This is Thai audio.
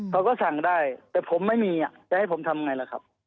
เขาก็สั่งได้แต่ผมไม่มีจะให้ผมทำไงล่ะครับ